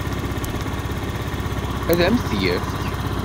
Ad m-t-yefk?